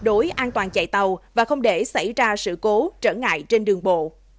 đối an toàn chạy tàu và không để xảy ra sự cố trở ngại trên đường bộ